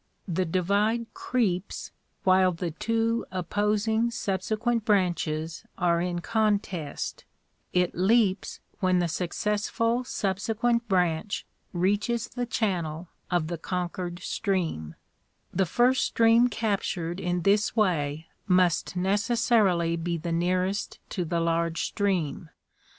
EPS O fe, The divide creeps while the two opposing subsequent branches t leaps when the successful subsequent branch I 5) are in contest reaches the channel of the conquered stream. The first stream captured in this way must necessarily be the nearest to the large stream.